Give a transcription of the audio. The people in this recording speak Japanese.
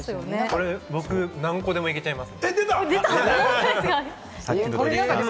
これ僕、何個でもいけちゃいます。